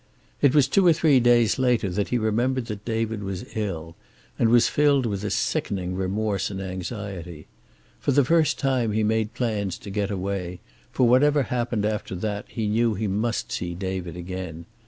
It was two or three days later that he remembered that David was ill, and was filled with a sickening remorse and anxiety. For the first time he made plans to get away, for whatever happened after that he knew he must see David again.